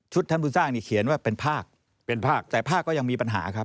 ชุดท่านพุทธสร้างนี้เขียนว่าเป็นภาคแต่ภาคก็ยังมีปัญหาครับ